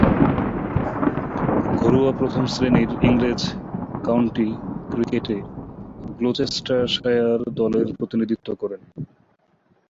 ঘরোয়া প্রথম-শ্রেণীর ইংরেজ কাউন্টি ক্রিকেটে গ্লুচেস্টারশায়ার দলের প্রতিনিধিত্ব করেন।